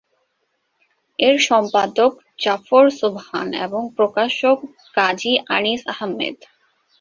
এর সম্পাদক জাফর সোবহান এবং প্রকাশক কাজী আনিস আহমেদ।